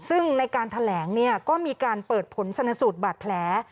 ซึ่งในการแถลงเนี่ยก็มีการเปิดผลชนสูตรบาดแผล